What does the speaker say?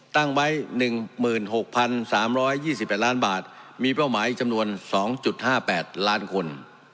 ตั้งไว้๑๖๓๒๘ล้านบาทมีเป้าหมายจำนวน๒๕๘ล้านคน